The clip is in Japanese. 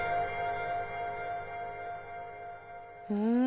うん。